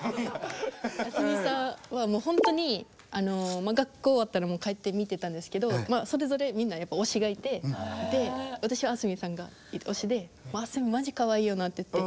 あすみさんはもうほんとに学校終わったらもう帰って見てたんですけどそれぞれみんなやっぱ推しがいてで私はあすみさんが推しで「あすみマジかわいいよな」って言って。